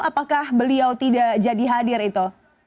apakah beliau tidak jadi hadir itu